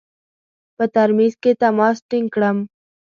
په ترمیز کې تماس ټینګ کړم.